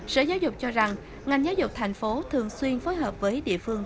sở giáo dục cho rằng ngành giáo dục thành phố thường xuyên phối hợp với địa phương